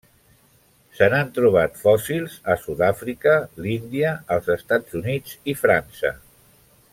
Se n'han trobat fòssils a Sud-àfrica, l'Índia, els Estats Units i França.